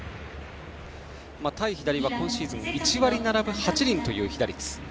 対左は今シーズン１割７分８厘という被打率。